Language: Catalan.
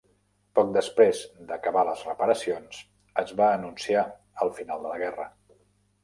Poc després d'acabar les reparacions, es va anunciar el final de la guerra.